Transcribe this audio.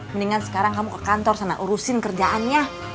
mendingan sekarang kamu ke kantor sana urusin kerjaannya